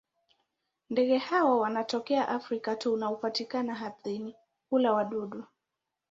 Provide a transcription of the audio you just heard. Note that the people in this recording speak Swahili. Ndege hawa wanatokea Afrika tu na hupatikana ardhini; hula wadudu.